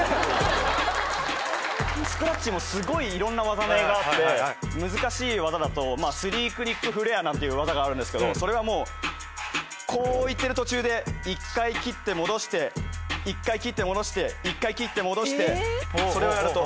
スクラッチもすごいいろんな技名があって難しい技だと。なんていう技があるんですけどそれはもうこう行ってる途中で１回切って戻して１回切って戻して１回切って戻してそれをやると。